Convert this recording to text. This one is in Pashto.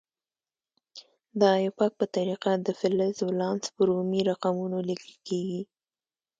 د ایوپاک په طریقه د فلز ولانس په رومي رقمونو لیکل کیږي.